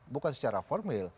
bukan secara formil